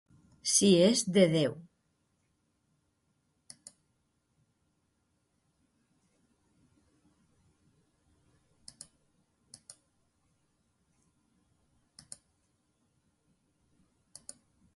Si és de Déu.